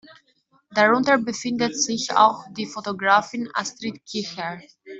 Darunter befindet sich auch die Fotografin Astrid Kirchherr.